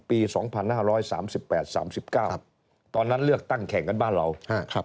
ปี๒๕๓๘๓๙ตอนนั้นเลือกตั้งแข่งกันบ้านเรา